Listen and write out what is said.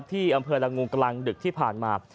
ที่อำเภอละงูกลางดึกที่ผ่านมา